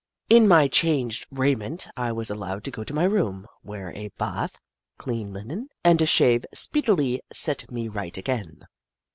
In my changed raiment I was allowed to go to my room, where a bath, clean linen, and a shave speedily set me right again.